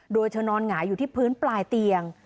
โดยเธอนอนหงายอยู่ที่พื้นปลายเตียง